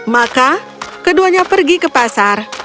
maka keduanya pergi ke pasar